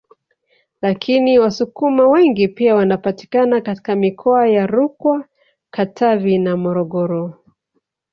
Lakini Wasukuma wengi pia wanapatikana katika mikoa ya Rukwa Katavi na Morogoro